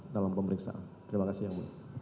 terima kasih yang mulia